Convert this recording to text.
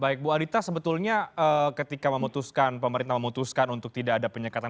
baik bu adita sebetulnya ketika memutuskan pemerintah memutuskan untuk tidak ada penyekatan